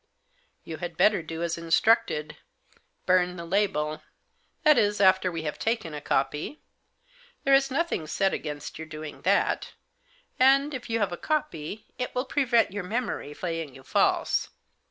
" You had better do as instructed — burn the label ; that is, after we have taken a copy. There is nothing said against your doing that ; and, if you have a copy, it will prevent your memory playing you false.